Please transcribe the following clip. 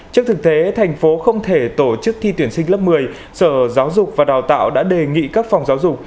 trước thực tế thành phố không thể tổ chức thi tuyển sinh lớp một mươi sở giáo dục và đào tạo đã đề nghị các phòng giáo dục